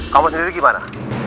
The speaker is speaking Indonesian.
kamu sendiri gimana